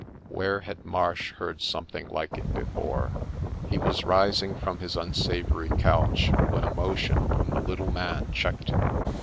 Where had Marsh heard something like it before ? He was rising from his unsavoury couch, when a motion from the little man checked him.